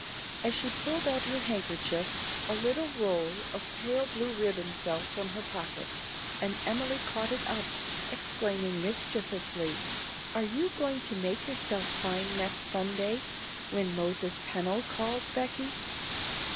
As she pulled out her handkerchief, a little roll of pale blue ribbon fell from her pocket, and Emily caught it up, exclaiming mischievously, "Are you going to make yourself fine next Sunday, when Moses Pennel calls, Becky?"